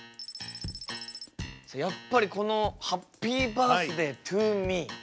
やっぱりこの「ハッピーバースデートゥーミー」。